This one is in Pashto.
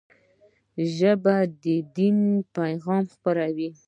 ژبه د دین پيغام خپروي